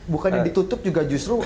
bukannya ditutup juga justru